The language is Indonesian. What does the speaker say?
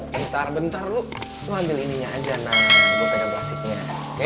bentar bentar lu lu ambil ininya aja nan gue pake plastic nya oke